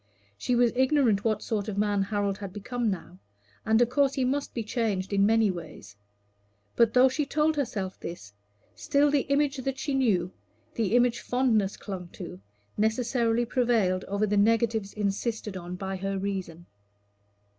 She was ignorant what sort of man Harold had become now, and of course he must be changed in many ways; but though she told herself this, still the image that she knew, the image fondness clung to, necessarily prevailed over the negatives insisted on by her reason.